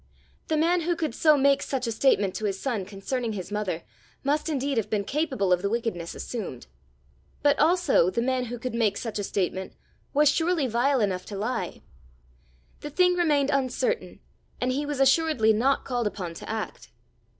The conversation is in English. The man who could so make such a statement to his son concerning his mother, must indeed have been capable of the wickedness assumed! but also the man who could make such a statement was surely vile enough to lie! The thing remained uncertain, and he was assuredly not called upon to act!